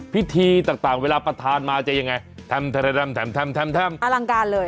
พิธีต่างเวลาประธานมาจะยังไงทำแท่มอลังการเลย